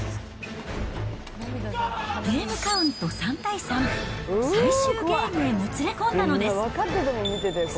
ゲームカウント３対３、最終ゲームへもつれ込んだのです。